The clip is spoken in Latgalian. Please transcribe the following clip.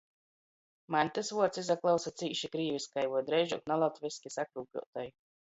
Maņ tys vuords izaklausa cīši krīvyskai voi dreižuok nalatvyski sakrūpļuotai.